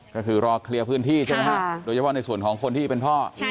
ก็คือรอเคลียร์พื้นที่ใช่ไหมฮะโดยเฉพาะในส่วนของคนที่เป็นพ่อ